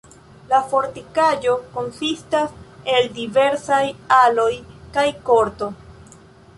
La fortikaĵo konsistas el diversaj aloj kaj korto.